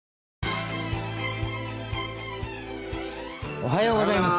おはようございます。